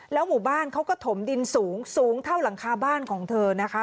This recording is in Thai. หมู่บ้านเขาก็ถมดินสูงสูงเท่าหลังคาบ้านของเธอนะคะ